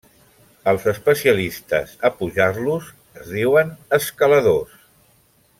Els especialistes a pujar-los es diuen escaladors.